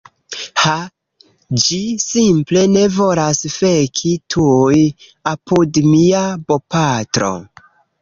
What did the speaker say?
Ha, ĝi simple ne volas feki tuj apud mia bopatro